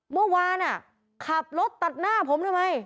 เมื่อวานขับรถตัดหน้าผมทำไม